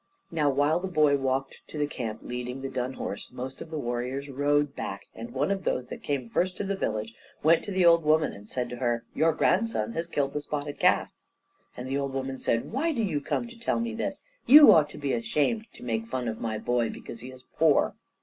Now, while the boy walked to the camp leading the dun horse, most of the warriors rode back, and one of those that came first to the village went to the old woman and said to her, "Your grandson has killed the spotted calf." And the old woman said, "Why do you come to tell me this? You ought to be ashamed to make fun of my boy, because he is poor."